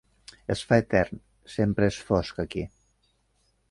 Es fa etern, sempre és fosc aquí.